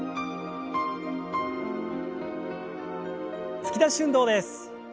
突き出し運動です。